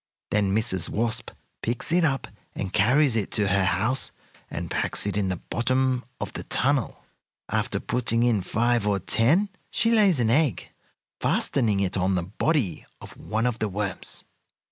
Then Mrs. Wasp picks it up and carries it to her house, and packs it in the bottom of the tunnel. "After putting in five or ten she lays an egg, fastening it on the body of one of the worms.